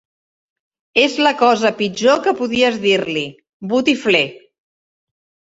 És la cosa pitjor que podies dir-li: botifler.